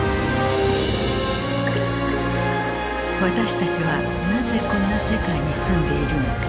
私たちはなぜこんな世界に住んでいるのか。